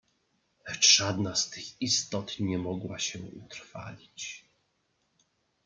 "Lecz żadna z tych istot nie mogła się utrwalić."